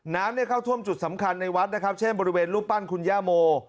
เข้าท่วมจุดสำคัญในวัดนะครับเช่นบริเวณรูปปั้นคุณย่าโม